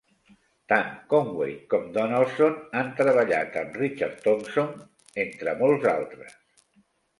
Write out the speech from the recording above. Tant Conway com Donaldson han treballat amb Richard Thompson, entre molts altres.